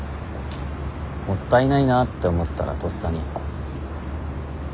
もったいないなって思ったらとっさに。